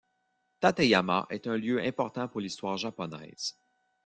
Tateyama est un lieu important pour l'histoire japonaise.